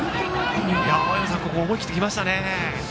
ここは思い切ってきましたね。